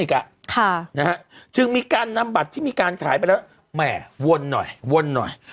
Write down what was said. จึงมีการนำบัตรที่มีการขายไปแล้วแหม่วนหน่อยวนหน่อย